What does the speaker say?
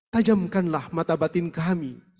tajamkanlah mata batin kami